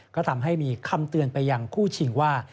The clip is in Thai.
ก็ทำให้มีคำเตือนไปยังคู่ชิงว่า